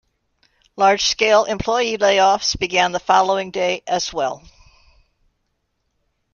Large scale employee layoffs began the following day, as well.